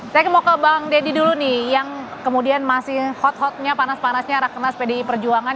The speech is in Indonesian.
saya mau ke bang deddy dulu nih yang kemudian masih hot hotnya panas panasnya rakenas pdi perjuangan